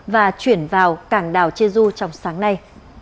và chuyển vào cảng đảo jeju trong sáng nay